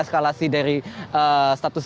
eskalasi dari status